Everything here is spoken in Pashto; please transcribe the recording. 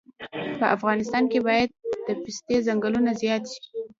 په افغانستان کې باید د پستې ځنګلونه زیات شي